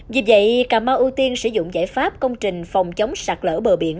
vì vậy cà mau ưu tiên sử dụng giải pháp công trình phòng chống sạt lỡ bờ biển